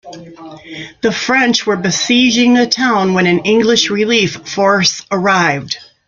The French were besieging a town when an English relief force arrived.